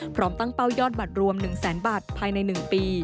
พร้อมตั้งเป้ายอดบัตรรวม๑แสนบาทภายใน๑ปี